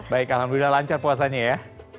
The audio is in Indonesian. baik alhamdulillah lancar puasanya ya